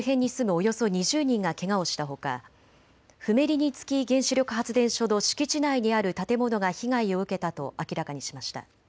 およそ２０人がけがをしたほかフメリニツキー原子力発電所の敷地内にある建物が被害を受けたと明らかにしました。